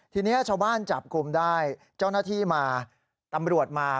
ทีนี้ชาวบ้านจับกลุ่มได้เจ้าหน้าที่มาตำรวจมา